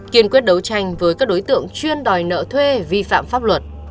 kiên quyết đấu tranh với các đối tượng chuyên đòi nợ thuê vi phạm pháp luật